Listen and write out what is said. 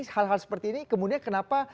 hal hal seperti ini kemudian kenapa